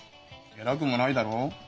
偉くもないだろう。